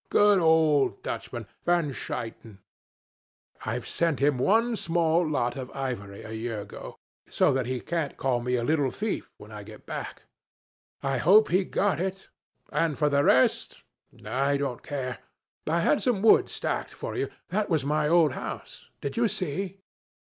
Good old Dutchman, Van Shuyten. I've sent him one small lot of ivory a year ago, so that he can't call me a little thief when I get back. I hope he got it. And for the rest I don't care. I had some wood stacked for you. That was my old house. Did you see?'